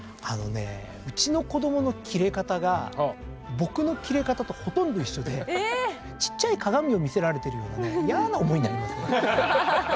あのねうちの子どものキレ方が僕のキレ方とほとんど一緒でちっちゃい鏡を見せられてるようでね嫌な思いになりますよね。